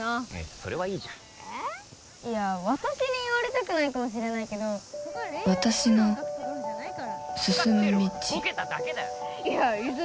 それはいいじゃんいや私に言われたくないかもしれないけど私の進む道いや泉